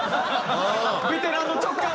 ベテランの直感で？